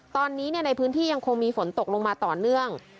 ตอนนี้ในพื้นที่ยังคงมีฝนตกลงมาต่อเนื่อง